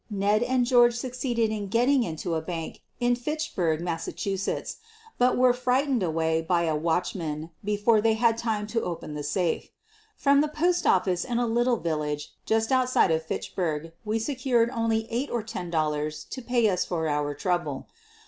Ned and George succeeded in getting into a bank in Fitchburg, Mass., but were frightened away by a watchman before they had time to open the safe. From the postoffice in a little village just outside Fitchburg we secured only eight or ten dollars to pay us for our trouble.